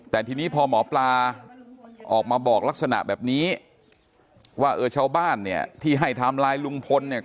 แต่ทีนี้พอหมอปลาออกมาบอกลักษณะแบบนี้ว่าเออชาวบ้านเนี่ยที่ให้ไทม์ไลน์ลุงพลเนี่ย